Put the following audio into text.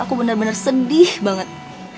aku bener bener sedih banget